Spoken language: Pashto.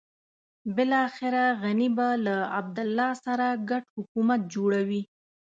بلاخره غني به له عبدالله سره ګډ حکومت جوړوي.